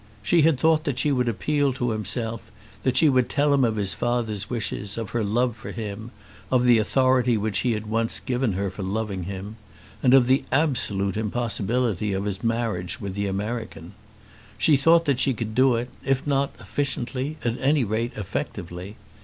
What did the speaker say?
She had thought that she would appeal to himself, that she would tell him of his father's wishes, of her love for him, of the authority which he had once given her for loving him, and of the absolute impossibility of his marriage with the American. She thought that she could do it, if not efficiently at any rate effectively.